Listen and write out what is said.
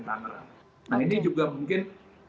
tangerang nah ini juga mungkin